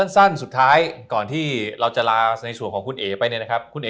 สั้นสุดท้ายก่อนที่เราจะลาในส่วนของคุณเอ๋ไปเนี่ยนะครับคุณเอ๋